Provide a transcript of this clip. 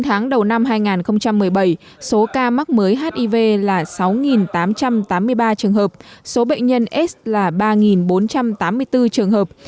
chín tháng đầu năm hai nghìn một mươi bảy số ca mắc mới hiv là sáu tám trăm tám mươi ba trường hợp số bệnh nhân s là ba bốn trăm tám mươi bốn trường hợp